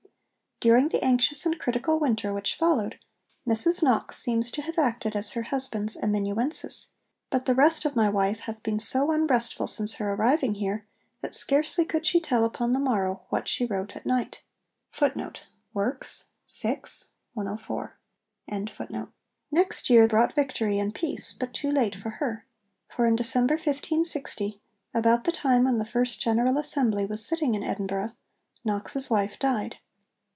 During the anxious and critical winter which followed, Mrs Knox seems to have acted as her husband's amanuensis, but 'the rest of my wife hath been so unrestful since her arriving here, that scarcely could she tell upon the morrow what she wrote at night.' Next year brought victory and peace, but too late for her; for in December 1560, about the time when the first General Assembly was sitting in Edinburgh, Knox's wife died.